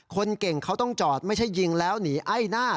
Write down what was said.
คนเก่งเขาต้องจอดไม่ใช่ยิงแล้วหนีไอ้หน้า